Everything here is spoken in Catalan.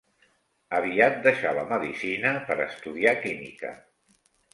Aviat deixà la medicina per estudiar química.